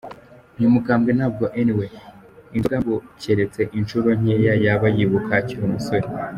Uyu mukambwe ntabwo anyway inzoga ngo keretse inshuro nkeya yaba yibuka akiri umusore.